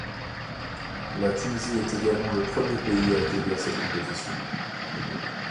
La Tunisie est également le premier pays à accueillir cette compétition.